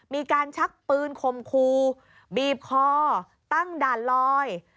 มีการชักปืนคมคูบีบคอตั้งด่านลอย